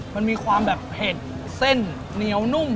มันมีความแบบเผ็ดเส้นเหนียวนุ่ม